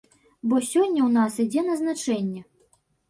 Бо сёння ў нас ідзе назначэнне.